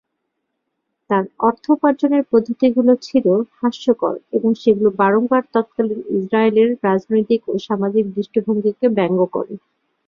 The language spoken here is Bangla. তার অর্থ উপার্জনের পদ্ধতিগুলো ছিল হাস্যকর এবং সেগুলো বারংবার তৎকালীন ইসরায়েলের রাজনৈতিক ও সামাজিক দৃষ্টিভঙ্গিকে ব্যঙ্গ করে।